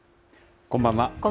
こんばんは。